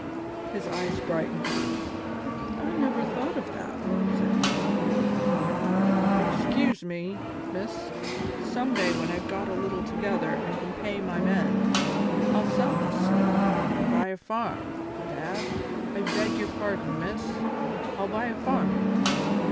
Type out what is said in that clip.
His eyes brightened. "I never thought of that," said he. "Bedad excuse me, Miss some day when I've got a little together and can pay my men I'll sell this sloop and buy a farm, bedad I beg your pardon, Miss I'll buy a farm."